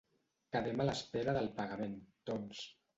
Quedem a l'espera del pagament, doncs.